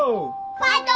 ファイト。